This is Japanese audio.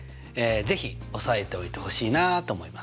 是非押さえておいてほしいなと思いますね。